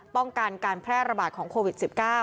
ป้องกันการแพร่ระบาดของโควิด๑๙